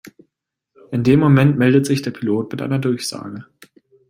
In dem Moment meldet sich der Pilot mit einer Durchsage.